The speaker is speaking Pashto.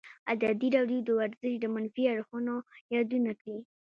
ازادي راډیو د ورزش د منفي اړخونو یادونه کړې.